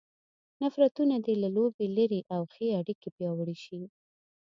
نفرتونه دې له لوبې لیرې او ښې اړیکې پیاوړې شي.